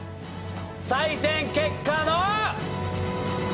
採点結果の。